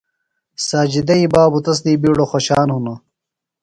ساجدئی بابوۡ تس دی بِیڈوۡ خوشان ہِنوۡ۔